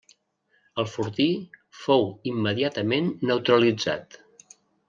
El fortí fou immediatament neutralitzat.